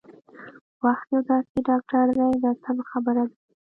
وخت یو داسې ډاکټر دی دا سمه خبره ده.